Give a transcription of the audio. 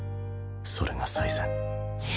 それが最善